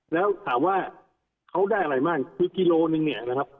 แล้วถามว่าเขาได้อะไรบ้างคือกิโลนึงเนี่ยนะครับ